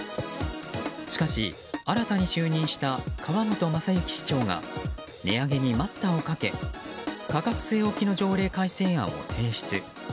しかし、新たに就任した川本雅之市長が値上げに待ったをかけ価格据え置きの条例改正案を提出。